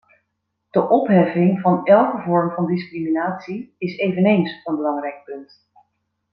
De opheffing van elke vorm van discriminatie is eveneens een belangrijk punt.